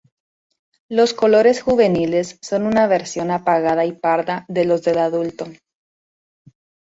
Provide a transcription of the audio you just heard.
Los colores juveniles son una versión apagada y parda de los del adulto.